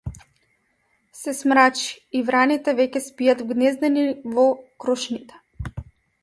Се смрачи и враните веќе спијат вгнездени во крошните.